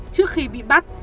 trước khi bị bắt